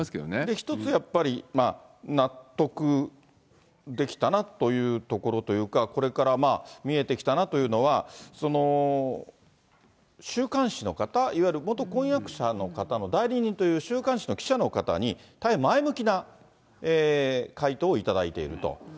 一つ、やっぱり納得できたなというところというか、これからまあ、見えてきたなというのは、週刊誌の方、いわゆる元婚約者の方の代理人という週刊誌の記者の方に、大変前向きな回答を頂いていると。